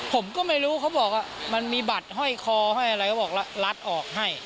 ผมก็ไม่รู้เขาบอกว่ามันมีบัตรห้อยคอห้อยอะไรก็บอกรัดออกให้